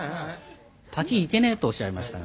「パチいけね」とおっしゃいましたが。